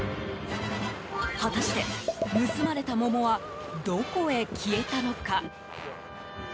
果たして盗まれた桃はどこへ消えたのか。